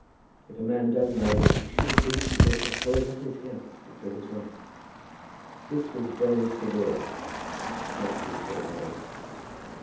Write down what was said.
If a man does marry he should at least be able to hold up his head before his wife." This was very severe, but Crosbie showed no anger.